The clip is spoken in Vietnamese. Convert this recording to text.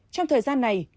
trong thời gian này